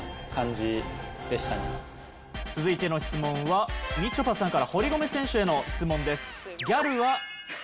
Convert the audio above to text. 続いてはみちょぱさんから堀米選手への質問です。